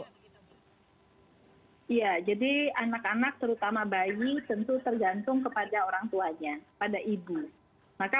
iya jadi anak anak terutama bayi tentu tergantung kepada orang tuanya pada ibu maka